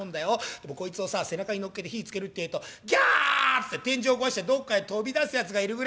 でもこいつをさ背中にのっけて火ぃつけるってぇと『ギャ！』つって天井壊してどっかへ飛び出すやつがいるぐれえなんだよ」。